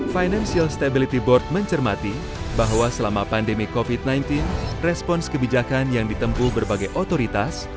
financial stability board mencermati bahwa selama pandemi covid sembilan belas respons kebijakan yang ditempuh berbagai otoritas